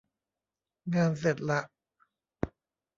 งานเสร็จละ